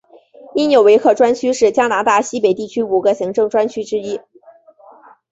因纽维克专区是加拿大西北地区五个行政专区之一。